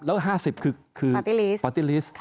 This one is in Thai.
แล้ว๕๐คือพติลิส